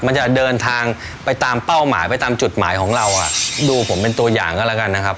มันจะเดินทางไปตามเป้าหมายไปตามจุดหมายของเราอ่ะดูผมเป็นตัวอย่างก็แล้วกันนะครับ